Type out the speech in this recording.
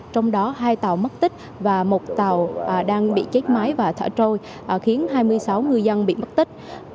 trong đó hai tàu mất tích và một tàu đang bị chết máy và thả trôi khiến hai mươi sáu ngư dân bị mất tích